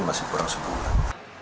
masih kurang sebulan